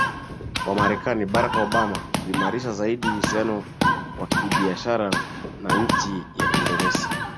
wa marekani barack obama kuimarisha zaidi uhusiano wa kibiashara na nchi ya indonesia